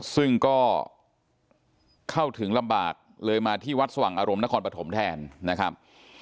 ซึ่งก็เข้าถึงลำบากเลยมาที่วัดสว่างอารมณ์นครปฐมแทนนะครับ